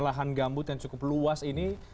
lahan gambut yang cukup luas ini